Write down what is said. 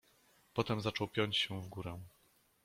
Potem zaczął piąć się w górę.